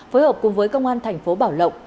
phối hợp cùng với công an thành phố bảo lộng